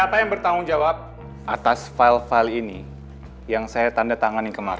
siapa yang bertanggung jawab atas file file ini untuk mengetahui hal tersebut yang penting di dalam hal ini